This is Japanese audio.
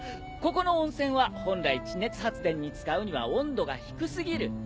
ここの温泉は本来地熱発電に使うには温度が低すぎる。